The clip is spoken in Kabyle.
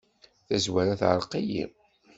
Tazwara teɛreq-iyi.